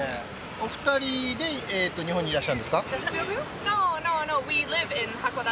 お二人で日本にいらしたんですか？